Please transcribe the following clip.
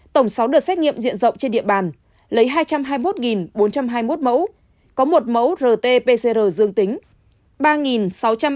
tổng sáu đợt xét nghiệm diện rộng trên địa bàn lấy hai trăm hai mươi một bốn trăm hai mươi một mẫu có một mẫu rt pcr dương tính